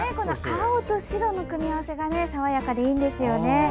青と白の組み合わせが爽やかでいいですよね。